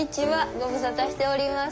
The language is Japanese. ご無沙汰しております。